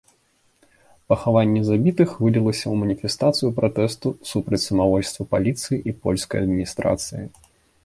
Пахаванне забітых вылілася ў маніфестацыю пратэсту супраць самавольства паліцыі і польскай адміністрацыі.